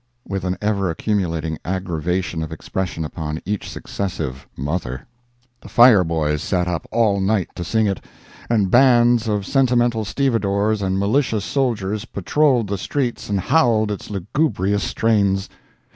with an ever accumulating aggravation of expression upon each successive "mother." The fire boys sat up all night to sing it; and bands of sentimental stevedores and militia soldiers patroled the streets and howled its lugubrious strains.